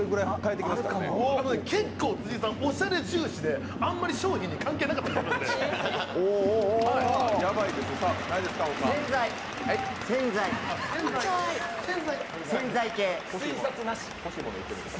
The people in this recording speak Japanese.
結構辻井さんおしゃれ重視であまり商品に関係なかったりするで。